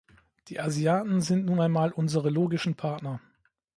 Die Asiaten sind nun einmal unsere logischen Partner.